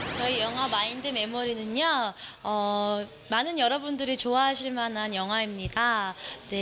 จริงคนไม่สามารถทำงานเตี่ยวกับเค้าเกี่ยวกัน